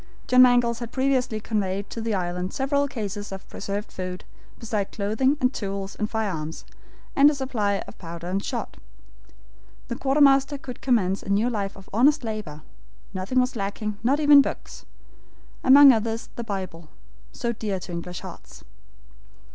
John Mangles had previously conveyed to the island several cases of preserved food, besides clothing, and tools and firearms, and a supply of powder and shot. The quartermaster could commence a new life of honest labor. Nothing was lacking, not even books; among others, the Bible, so dear to English hearts.